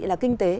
là kinh tế